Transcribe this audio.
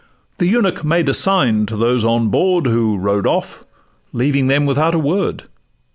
The eunuch made a sign to those on board, Who row'd off, leaving them without a word.